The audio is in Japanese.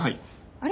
あれ？